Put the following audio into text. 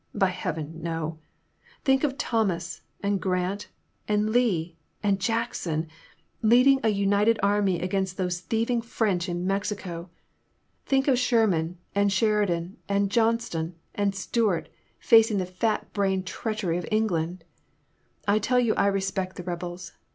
By Heaven, no ! Think of Thomas and Grant and Lee and Jackson leading a united army against those thieving French in 220 In the Name of the Most High. Mexico ! Think of Shennan and Sheridan and Johnston and Stuart facing the fat brained treach ery of England ! I tell you I respect the rebels.